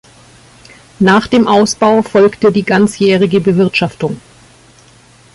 Nach dem Ausbau folgte die ganzjährige Bewirtschaftung.